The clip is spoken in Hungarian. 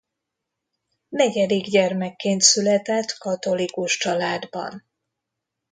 Negyedik gyermekként született katolikus családban.